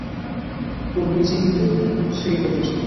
ওর নিজেরই তো সেই গরজ নেই।